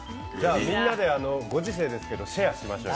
みんなでご時世ですけどシェアしましょうよ。